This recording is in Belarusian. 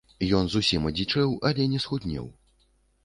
Ён зусім адзічэў, але не схуднеў.